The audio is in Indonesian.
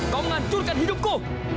kau ngancurkan hidupku